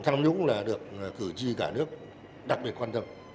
tham nhũng là được cử tri cả nước đặc biệt quan tâm